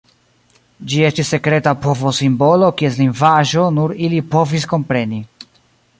Ĝi estis sekreta povo-simbolo kies lingvaĵo nur ili povis kompreni.